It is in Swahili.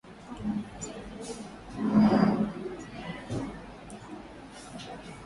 kwenye usuluhishi uliopendekezwa na rais ali adbulahi sallee